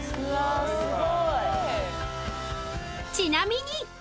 ［ちなみに］